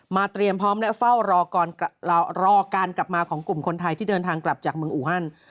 เตรียมพร้อมและเฝ้ารอการกลับมาของกลุ่มคนไทยที่เดินทางกลับจากเมืองอูฮัน